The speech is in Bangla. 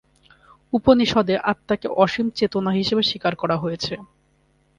উপনিষদে আত্মাকে অসীম চেতনা হিসেবে স্বীকার করা হয়েছে।